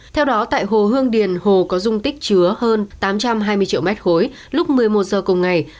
theo đó tại hồ hương điền hồ có dung tích chứa hơn tám trăm hai mươi triệu mét khối lúc một mươi một giờ cùng ngày